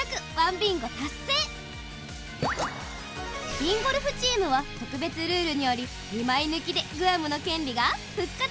ＢＩＮＧＯＬＦチームは特別ルールにより２枚抜きでグアムの権利が復活。